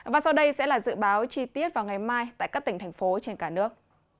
và sau đây sẽ là dự báo chi tiết vào ngày mai tại các tỉnh thành phố trên cả nước